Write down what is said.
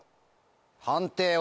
判定は？